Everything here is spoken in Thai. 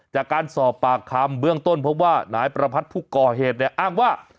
จากการสอบปากคำเบื้องต้นพบว่านายประพัทธ์ผู้ก่อเหตุเนี่ยอ้างว่า